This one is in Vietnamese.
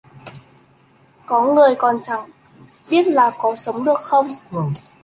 Có người còn chẳng biết là có sống được không